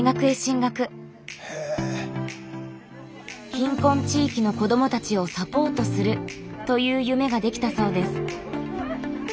貧困地域の子どもたちをサポートするという夢ができたそうです。